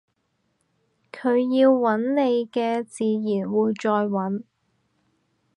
佢要搵你嘅自然會再搵